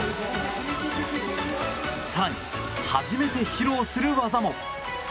更に、初めて披露する技も。